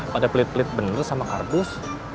pada pelit pelit bener sama kardus